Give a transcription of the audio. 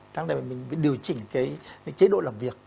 tháng này mình mới điều chỉnh cái chế độ làm việc